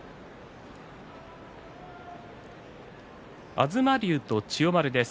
東龍と千代丸です。